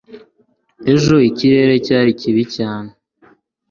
ejo ikirere cyari kibi cyane